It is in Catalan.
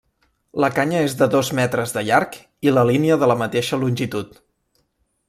La canya és de dos metres de llarg i la línia de la mateixa longitud.